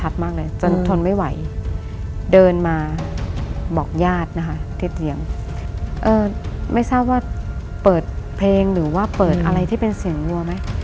เดินมาบอกญาตินะคะที่เตียงเอ่อไม่ทราบว่าเปิดเพลงหรือว่าเปิดอะไรที่เป็นเสียงวัวไหม